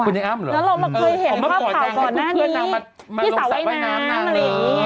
คุณไอ้อ้ำเหรอแล้วเรามาเคยเห็นภาพข่าวก่อนหน้านี้นางมาที่สระว่ายน้ำอะไรอย่างนี้